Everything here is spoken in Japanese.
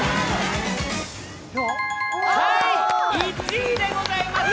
１位でございます。